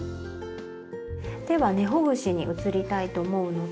では根ほぐしに移りたいと思うので。